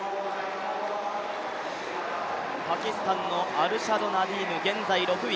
パキスタンのアルシャド・ナディーム、現在６位。